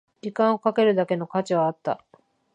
時間をかけるだけの価値はあった